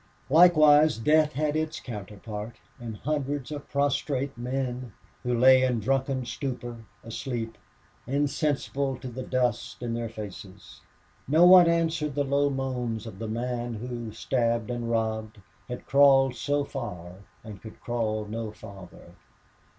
Likewise death had his counterpart in hundreds of prostrate men, who lay in drunken stupor, asleep, insensible to the dust in their faces. No one answered the low moans of the man who, stabbed and robbed, had crawled so far and could crawl no farther.